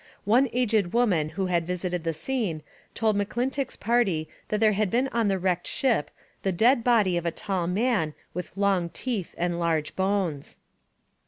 One aged woman who had visited the scene told M'Clintock's party that there had been on the wrecked ship the dead body of a tall man with long teeth and large bones.